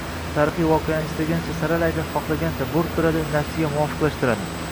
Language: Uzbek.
Tarixiy voqealarni istagancha saralaydi, xohlagancha bo‘rttiradi, nafsiga muvofiqlashtiradi.